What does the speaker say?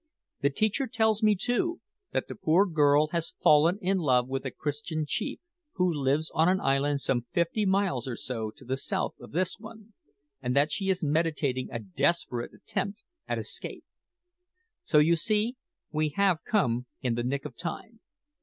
The teacher tells me, too, that the poor girl has fallen in love with a Christian chief, who lives on an island some fifty miles or so to the south of this one, and that she is meditating a desperate attempt at escape. So, you see, we have come in the nick of time.